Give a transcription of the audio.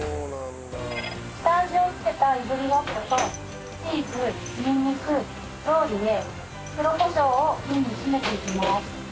下味を付けたいぶりがっことチーズにんにくローリエ黒コショウを瓶に詰めていきます。